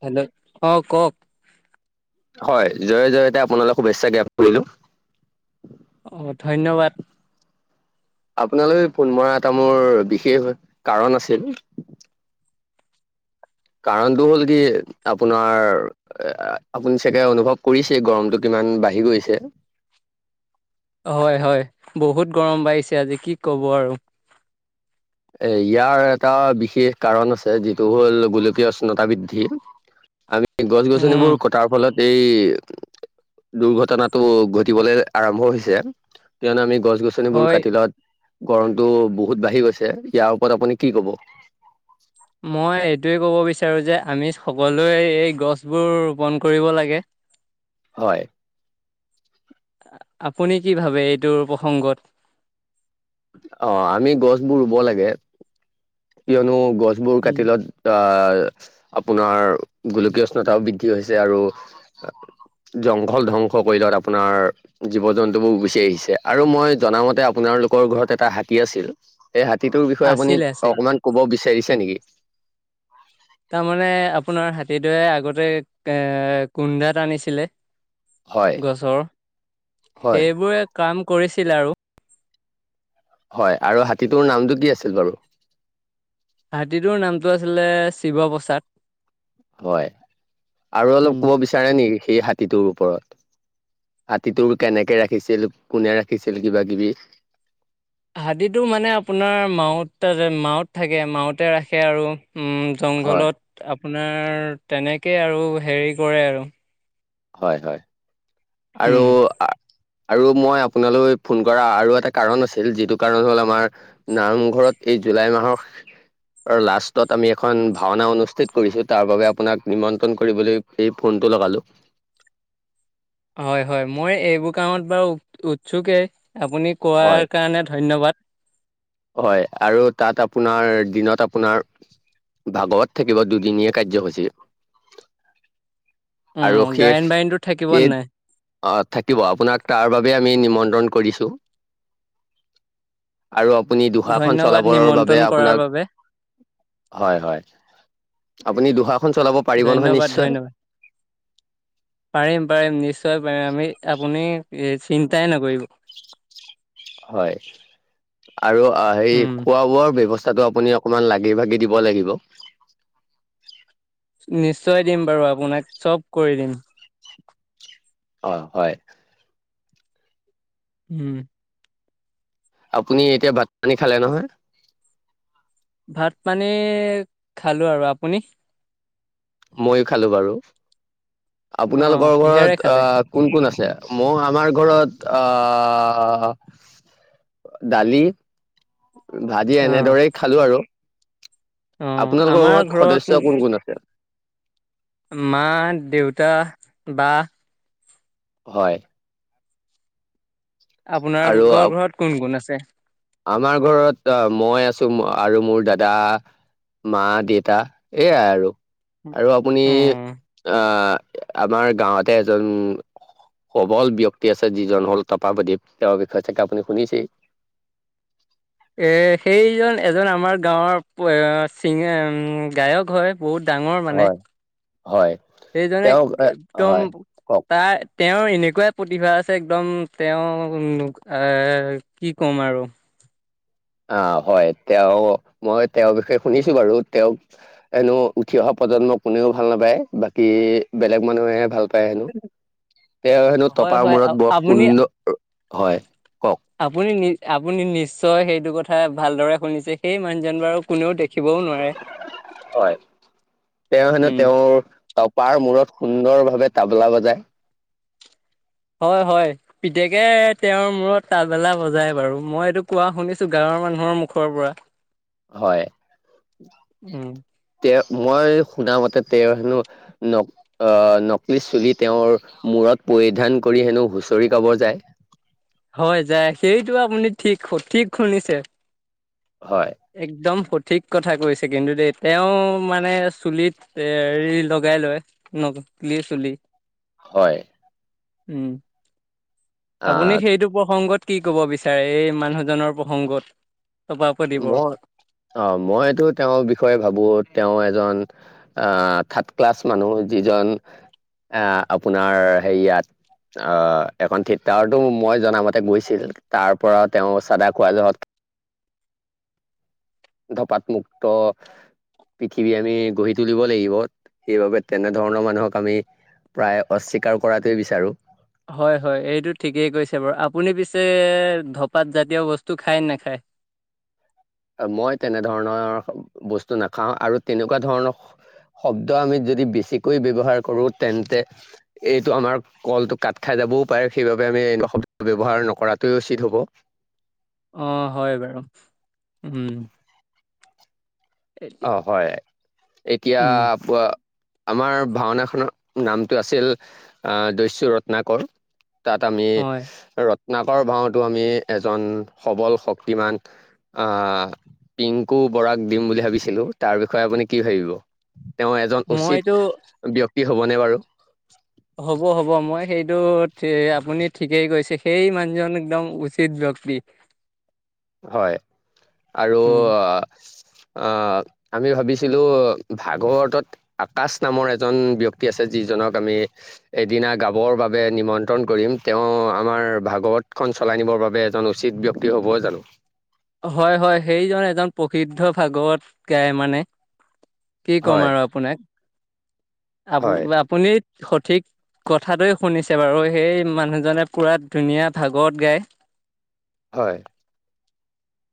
Hello অ', কওঁক। হয় জয় জয়তে আপোনালে শুভেচ্ছা জ্ঞাপ কৰিলো। অ', ধন্যবাদ। আপোনালৈ ফোন মৰা এটা মোৰ বিশেষ কাৰণ আছিল। কাৰণতটো হ'ল কি আপোনাৰ আপুনি চাগে অনুভৱ কৰিছে গৰমতটো কিমান। ইমান বাঢ়ি গৈছে। হয় হয় বহুত গৰম বাঢ়িছে আজি কি ক'ব আৰু। এ ইয়াৰ এটা বিশেষ কাৰণ আছে যিটো হ'ল গোলকীয় উষ্ণতা বৃদ্ধি আমি গছ উম গছনিবোৰ কটাৰ ফলত এই দুৰ্ঘটনাটো ঘটিবলৈ আৰম্ভ হৈছে কিয়নো আমি গছ গছ গছনিবোৰ হয় কাটিলত গৰমত বহুত বাঢ়ি গৈছে ইয়াৰ ওপৰত আপুনি কি ক'ব? মই এইটোৱে ক'ব বিচাৰো যে আমি সকলোৱে এই গছবোৰ ৰোপন কৰিব লাগে হয়। আপুনি কি ভাবে এইটোৰ প্ৰসংগত? অ', আমি গছবোৰ ৰুব লাগে। কিয়নো গছবোৰ কাট উম লত অ' আপোনাৰ গোলকীয় উষ্ণতাও বৃদ্ধি হৈছে আৰু জংঘল ধ্বংস কৰিলত আপোনাৰ জীৱ জন্তুবোৰ গুচি আহিছে আৰু মই জনা মতে আপোনাৰ লোকৰ ঘৰত এটা হাতী আছিল এই হাতীটোৰ বিষয়ে আপুনি আছিলে আছিল অকমান ক'ব বিচাৰিছে নেকি? সেইদৰে আগতে এ কুন্ধা তানিছিলে। হয় গছৰ হয় সেইবোৰে কাম কৰিছিল আৰু হয়, আৰু হাতীটোৰ নামটো কি আছিল বাৰু? হাতীটোৰ নামটো আছিলে শিৱপ্ৰসাদ হয় আৰু অলপ কব বিচাৰে নেকি সেই হাতীটোৰ ওপৰত? হাতীটোৰ কেনেকে ৰাখিছিল, কোনে ৰাখিছিল কিবা কিবি হাতীটো মানে আপোনাৰ মাওত মাওত থাকে মাওতে ৰাখে আৰু। হয় জংঘলত আপোনাৰ তেনেকেই আৰু হেৰি কৰে আৰু। হয় হয় আৰু? উম আৰু মই আপোনালৈ ফোন কৰা আৰু এটা কাৰণ আছিল যিটো কাৰণ হ'ল আমাৰ নামঘৰত এই জুলাই মাহৰ আৰু লাষ্টত আমি এখন ভাওনা অনুষ্ঠিত কৰিছো তাৰ বাবে আপোনাক নিমন্ত্ৰণ কৰিবলৈ এই ফোন টো লগালো। হয় হয় মই এইবোৰ কামত বাৰু উৎছুকে। আপুনি হয় কোৱাৰ কাৰণে ধন্যবাদ। হয়, আৰু তাত আপোনাৰ দিনত আপোনাৰ ভাগৱত থাকিব দুদিনীয়া কাৰ্যসূচী। উম আৰু সেষ গায়ন বায়নটো থাকিব নে সেই নাই অ', থাকিব আপোনাক তাৰ বাবে আমি নিমন্ত্ৰ ণ কৰিছো। আৰু আপুনি দুশাখন ধন্যবাদ চলাবৰ নিমন্ত্ৰণ বাবে কৰাৰ আপোনাক, বাবে হয় হয় আপুনি দুহাৰখন চলাব পাৰিব নহয় ধন্যবাদ নিশ্চয়? ধন্যবাদ পাৰিম পাৰিম নিশ্চয় পাৰিম আমি আপুনি এই চিন্তাই নকৰিব। হয় আৰু হে উম খোৱা বোৱাৰ ব্যৱস্থা [unintelligible] টো আপুনি অকমান লাগি ভাগি দিব লাগিব। নিশ্চয় দিম বাৰু আপোনাক চব কৰি দিম। অ', হয়, উম, আপুনি এতিয়া ভাত পানী খালে নহয়? ভাত পানী খালোঁ আৰু আপুনি? ময়ো খালো বাৰু অ আপোনালোকৰ কিহেৰে ঘৰত অ, খালে কোন কোন আছে? মোৰ আমাৰ ঘৰত আহ দালি। ভাজি অ এনেদৰেই খালো আৰু। অ আপোনালোকৰ আমাৰ ঘৰত সদস্য় কোন কোন আছে? মা, দেউতা, বা। হয়, আৰু আপোনালোকৰ আপ- ঘৰত কোন কোন আছে? আমাৰ ঘৰত মই আছো আৰু মোৰ দাদা মা, দেউতা, এইয়াই আৰু আৰু আপুনি উম আ আমাৰ গাঁৱতে এজন সবল ব্যক্তি আছে যিজন হ'ল তাপাৱাদীপ তেওঁৰ বিষয়ে চাকে আপুনি শুনিছেই? এ সেইজন এজন আমাৰ গাঁৱৰ চিগ গায়ক হয়। বহুত ডাঙৰ মানে। হয় হয় সেইজনে তেওঁ এ, একদম হয় কওক ত তেওঁ এনেকুৱাই প্ৰতিভা আছে একদম তেওঁ এ কি কম আৰু। অ', হয়, তেওঁ মই তেওঁৰ বিষয়ে শুনিছো বাৰু তেওঁক হেনো উঠি অহা প্ৰজন্ম কোনেও ভাল নাপায় বাকী বেলেগ মানুহে ভাল পায় হেনো তেওঁ হেনো হয় টপাৰ হয় মূৰত আপুনি [unintelligible] হয়। কওক আপুনি নি আপুনি নিশ্চয় সেইটো কথা ভালদৰে শুনিছে সেই মানুহজন বাৰু কোনেও দেখি হয় তেওঁ হেনো উম তেওঁৰ তপাৰ মূৰত সুন্দৰ ভাৱে তাবলা বজায়। হয় হয় পিতেকে তেওঁৰ মূৰত তাবলা বজায় বাৰু, মই এইটো কোৱা শুনিছো গাঁৱৰ [unintelligible] মানুহৰ মুখৰ পৰা। হয়, উম তেওঁ মই শুনা মতে তেওঁ হেনো নক, অ, নকলি চুলি তেওঁৰ মূৰত পৰিধান কৰি হেনো হুঁচৰি গাব যায়। হয়, যায় সেইটো আপুনি ঠিক ঠিক শুনিছে। হয় একদম শুদ্ধ ঠিক কথা কৈছে কিন্তু দেই তেওঁ মানে চুলিত হেৰি লগাই লয় ন লে চলি হয়। উম। আহ আপুনি সেইটো প্ৰসংগত কি ক'ব বিচাৰে এই মানুহজনৰ প্ৰসংগত তপাপতিবৰ মই অ', মইটো তেওঁৰ বিষয়ে ভাবো তেওঁ আ, থাৰ্ড ক্লাছ মানুহ যিজন আ, আপোনাৰ হেৰিয়াত আ, এখন থিয়েটাৰটো মই জনামতে গৈছিল তাৰ পৰা তেওঁ চাদা খোৱা যহত ধঁপাত মুুক্ত। পৃথিৱী আমি গঢ়ি তুলিব লাগিব। সেইবাবে তেনেধৰণৰ মানুহক আমি প্ৰায় অস্বীকাৰ কৰাটোৱে বিচাৰো হয়, হয় এইটো ঠিকেই কৈছে বাৰু। আপুনি পিছে ধপাত জাতীয় বস্তু খায় নে নাখায়। মই তেনেধৰণৰ বস্তু নাখাওঁ আৰু তেনেকুৱা ধৰণৰ শব্দ আমি যদি বেছিকৈ ব্যৱহাৰ কৰো তেন্তে এইটো আমাৰ কলটো কাত খাই যাব প সেইবাবে আমিনে ব্যৱহাৰ নকটোৱে উচিত হ'ব। আহ হয় বাৰু উম। অ' হয় এতিয়া উম আপ আমাৰ ভাওনাখনৰ নামটো আছিল, দস্যু ৰত্নাকৰ। তাত আমি হয় ৰ নাকৰ ভাওঁতো আমি এজন সবল শক্তিমান আহ পিংকু বৰাক দিম বুলি ভাবিছিলো তাৰ বিষয়ে আপুনি কি ভাব তেওঁ এজন মইতো উচিত হ'বনে বাৰু। হ'ব, হ'ব মই সেইটো আপুনি ঠিকেই কৈছে সেই মানুহজন একদম উচিত শক্তি হয় আৰু উম অ' আমি ভাবিছিলো ভাগৱতত আকাশ নামৰ এজন ব্যক্তি আছে যিজন আমি এদি গাবৰ বাবে নিমন্ত্ৰণ কৰিম তেওঁ আমাৰ ভাগৱত খন চলাই আানিবৰ বাবে এজন উচিত ব্যক্তি হ'বই জানো হয়, হয় সেইজন এজন প্ৰসিদ্ধ ভাগৱত গায় মানে। কি কম হয় আৰু আপোনাক আপ হয় আপুনি সঠিক। কথাটোৱে শুনিছে বাৰু সেই মানুহজনে পুৰা ধুনীয়া ভাগত গায়। হয়।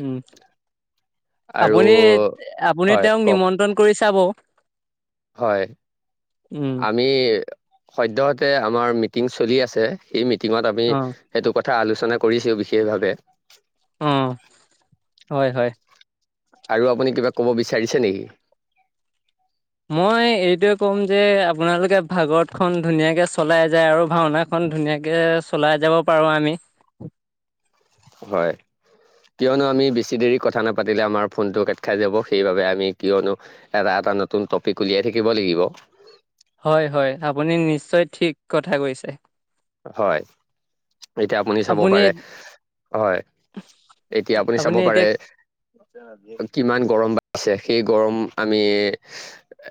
উম, আৰু আপুনি আপুনি হয় তেওঁক কওক নিমন্ত্ৰণ কৰিছে। যাব হয় আমি সদ্যহতে আমাৰ মিটিং চলি আছে সেই মিটিঙত আমি অ সেইটো কথা কথা আলোচনা কৰিছও বিশেষভাৱে আহ হয়, হয়। আৰু আপুনি কিবা ক'ব বিচাৰিছে নেকি? মই এইটোৱে ক'ম যে আপোনালোকে ভাগত খন ধুনীয়াকে চলাই যায়, আৰু ভাওনাখনন ধুনীয়াকে চলাই যাব। পাৰোঁ আমি হয়। কিয়নো আমি বেছি দেৰি কথা নাপাতিলে আমাৰ ফোনটো কাট খাই যাব সেইবাবে আমি কিয়নো এটা এটা নতুন টপিক উলিয়াই থাকিব লাগিব। হয়, হয় আপুনি নিশ্চয় ঠিক কথা কৈছে। হয় এতিয়া আপুনি চাব পাৰে হয়। এতিয়া আপুনি চাব পাৰে কিমান গৰম বাাহিছে। সেই গৰম আমি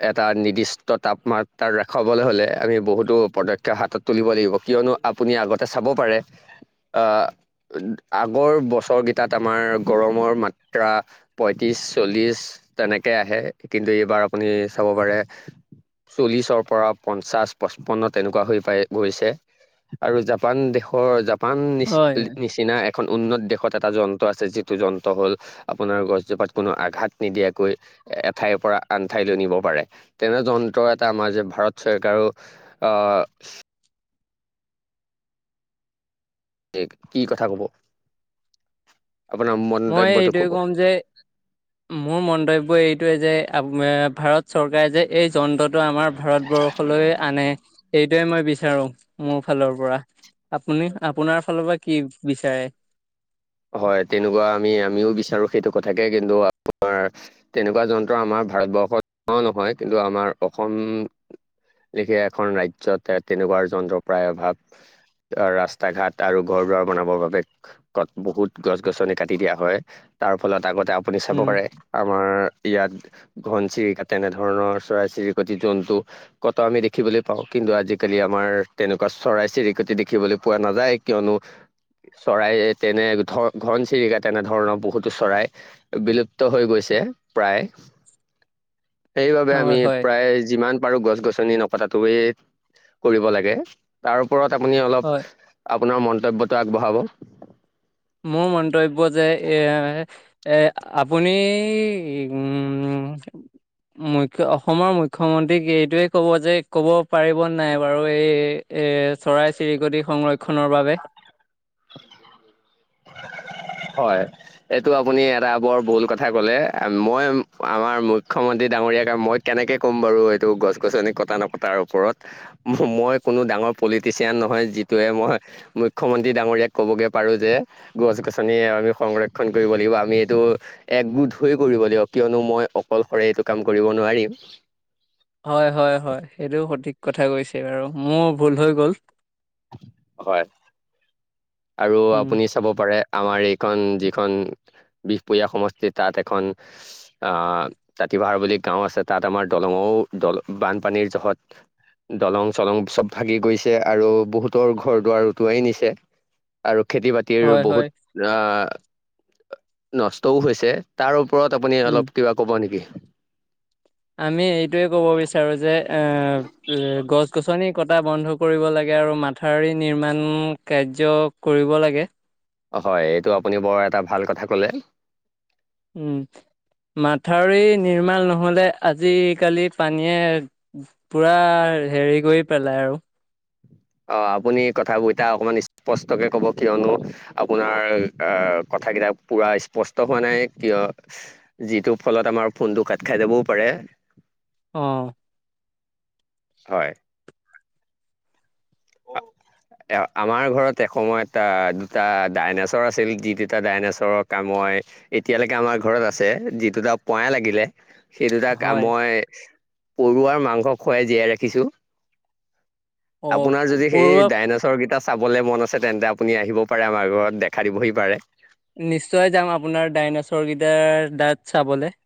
এটা নিৰ্দিষ্ট তাপমাত্ৰাত ৰাখাবলৈ হ'লে আমি বহুত বহুতো পদক্ষেপ হাতত তুলিব লাগিব। কিয়নো আপুনি আগতে চাব পাৰে আহ আগৰ বছৰকেইটা তেনেকে আহে কিন্তু এইবাৰ আপুনি চাব পাৰে চল্লিছৰ পৰা পঞ্চাশ পঁচপন্ন তেনেকুৱা হৈ পাই গৈছে আৰু জাপান দেশৰ জাপান নি হয় হয় নিচিনা এখন উন্নত দেশত এটা যন্ত্ৰ আছে। যিটো যন্ত্ৰ হ'ল আপোনাৰ গছজোপাত কোনো আঘাত নিদিয়াকৈ এঠাইৰ পৰা আন ঠাইলৈ নিব পাৰে তেনে যন্ত্ৰ এটা আমাৰ যে ভাৰত চৰকাৰো আহ অ' কি কথা ক'ব। আপোনাৰ মই মন্তব্যটো এইটোৱে কব কম যে মোৰ মন্তব্য এইটোয়ে যে আ ভাৰত চৰকাৰে যে এই যন্ত্ৰটো আমাৰ ভাৰতবৰ্ষলৈ আনে এইটোৱে মই বিচাৰো। কি বিচাৰে হয়, তেনেকুৱা আমি আমিও বিচাৰো সেইটো কথাকে কিন্তু আমাৰ তেনেকুৱা যন্ত্ৰ আমাৰ ভাৰতবৰ্ষত নহয় কিন্তু আমাৰ অসম লেখেয়া এখন ৰাজ্যত তেনেকুৱা যন্ত্ৰৰ প্ৰায় অভাৱ। অ' ৰাস্তা ঘাট আৰু ঘৰ দুৱাৰ বনাবৰ বাবে কটা বহুত গছ গছনি কাটি দিয়া হয় তাৰ ফলত আগতে আপুনি চাব উম পাৰে, আমাৰ ইয়াত ঘন চিৰিকা তেনেধৰণৰ চৰাই চিৰিকটি জন্তু ক'ত আমি দেখিবলৈ পাওঁ। কিন্তু আজিকালি আমাৰ তেনেকুৱা চৰাই চিৰিকটি দেখিবলৈ পোৱা নাযায়। কিয়নো চৰাই তেনে ঘন ঘন চিৰিকা তেনেধৰণৰ বহুতো চৰাই বিলুপ্ত হৈ গৈছে। প্ৰায় সেইবাবে হয় আমি হয় প্ৰায় যিমান পাৰো গছ গছনি নক কটাটোৱে কৰিব লাগে তাৰ ওপৰত আপুনি অলপ। হয়। আপোনাৰ মন্তব্যটো আগবঢ়াব। মোৰ মন্তব্য যে এই আপুনি উম। মুখ্য অসমৰ মুখ্যমন্ত্ৰীক এইটোৱে ক'ব যে ক'ব পাৰিব নাই বাৰু এই এ চৰাই চিৰিকটি সংৰক্ষণৰ বাবে [unintelligible] হয়, এইটো আপুনি এটা বৰ ভুল কথা ক'লে মই আমাৰ মুখ্যমন্ত্ৰী ডাঙৰীয়াক মই কেনেকে ক'ম বাৰু এইটো গছ গছনি কটা নকটাৰ ওপৰত মই কোনো ডাঙৰ পলিটিচিয়ান নহয়, যিটোৱে মই মুখ্যমন্ত্ৰী ডাঙৰীয়াক ক'বগৈ পাৰোঁ যে গছ গছনি আমি সংৰক্ষণ কৰিব লাগিব, আমি এইটো একগোট হৈ কৰিব দিয়ক, কিয়নো মই অকলশৰে এইটো কাম কৰিব নোৱাৰিম। হয়, হয়, হয় সেইটো সঠিক কথা কৈছে বাৰু মোৰ ভুল হৈ গ'ল। হয় আৰু উম আপুনি চাব পাৰে। আমাৰ এইখন যিখন বিহপুৰীয়া সমষ্টিত তাত এখন আহ জাতি ভাহাৰ বুলি গাঁও আছে তাত আমাৰ দলং বানপানীৰ জহত দলং চলং চ'ব ভাগি গৈছে আৰু বহুতৰ ঘৰ দুৱাৰ উটুৱাই নিছে আৰু খেতি বাতিৰ হয় হয় বহুত আহ নষ্টও হৈছে তাৰ ওপৰত আপুনি উম অলপ কিবা ক'ব নেকি? আমি এইটোয়ে ক'ব বিচাৰো যে এ গছ গছনি কটা বন্ধ কৰিব লাগে আৰু মাথাউৰি নিৰ্মাণ কাৰ্য কৰিব লাগে। হয়, এইটো আপুনি বৰ এটা ভাল কথা ক'লে। উম। মাথাউৰি নিৰ্মাণ নহ'লে আজিকালি পানীয়ে পুৰা হেৰি কৰি পেলাই আৰু অ' আপুনি কথাবোৰ এটা অকমান স্পষ্টকে ক'ব কিয়নো আপোনাৰ আহ কথাকেইটা পূৰা স্পষ্ট হোৱা নাই। কিয় যিটো ফলত আমাৰ ফোনটো কাত খাই যাবও পাৰে। [unintelligible] অহ হয় এ আমাৰ ঘৰত এসময় এটা দুটা ডাইনেছৰ আছিল যি দুটা ডাইনেছৰৰ কামত ম এতিয়ালৈকে আমাৰ ঘৰত আছে যিটো দুটা পয়া লাগিলে। সেই দুটাক হয়। মই পৰুৱাৰ মাংস খুৱাই জীয়াই ৰাখিছো। আপোনাৰ অ' যদি সেই পৰুৱা ডাইনাছৰ কেইটা চাবলে মন আছে তেন্তে আপুনি আহিব পাৰে, আমাৰ ঘৰত দেখা দিবহি পাৰে। নিশ্চয় যাম আপোনাৰ ডাইনাছৰকেইটাৰ দাতঁ চাবলৈ।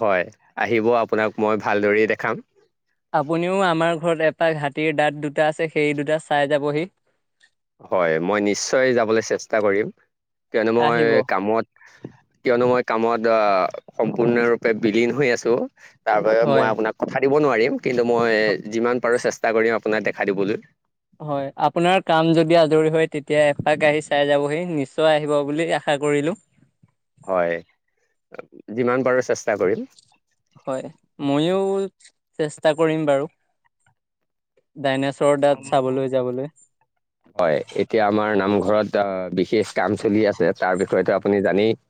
হয়, আহিব আপোনাক মই ভালদৰেই দেখাম। আপুনিও আমাৰ ঘৰত এপাৰ হাঁতীৰ দাঁত দুটা আছে সেই দুটা চাই যাবহি। হয়, মই নিশ্চয় যাবলৈ চেষ্টা কৰিম। কিয়নো মই আহিব কামত, কিয়নো মই কামত সম্পূৰ্ণৰূপে বিলীন হৈ আছো। তাৰ বাবে মই হয়। আপোনাক কথা দিব নোৱাৰিম। কিন্তু মই যিমান পাৰো চেষ্টা কৰিম আপোনাক হয়, আপোনাৰ কাম যদি আজৰি হয়। তেতিয়া এফাক আহি চাই যাবহি নিশ্চয় আহিব বুলি আশা। কৰিলো হয়, যিমান পাৰো চেষ্টা কৰিম হয়, ময়ো। চেষ্টা কৰিম বাৰু ডাইনেছ হয়, এতিয়া আমাৰ নামঘৰত বিশেষ কাম চলি আছে, তাৰ বিষয়তো আপুনি জানেই।